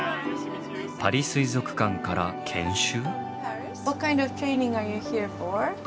パリ水族館から研修？